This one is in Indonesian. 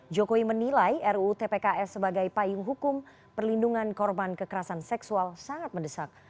jokowi menilai ruu tpks sebagai payung hukum perlindungan korban kekerasan seksual sangat mendesak